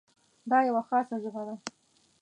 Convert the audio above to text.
دا یوه خاصه ژبه ده.